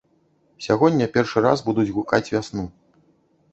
Сягоння першы раз будуць гукаць вясну.